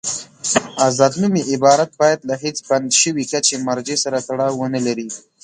آزاد نومي عبارت باید له هېڅ بند شوي کچې مرجع سره تړاو ونلري.